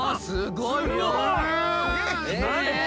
すごい！